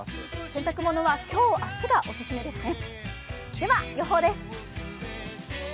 洗濯物は今日、明日がお勧めですね。